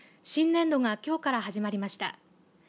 新年度がきょうから始まりました。